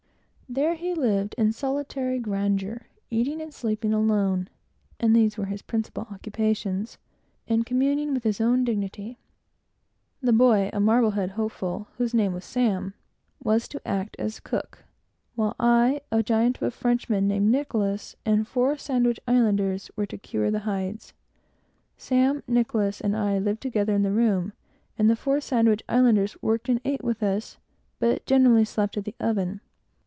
There he lived in solitary grandeur; eating and sleeping alone, (and these were his principal occupations,) and communing with his own dignity. The boy was to act as cook; while myself, a giant of a Frenchman named Nicholas, and four Sandwich Islanders, were to cure the hides. Sam, the Frenchman, and myself, lived together in the room, and the four Sandwich Islanders worked and ate with us, but generally slept at the oven.